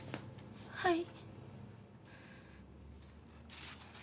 はい。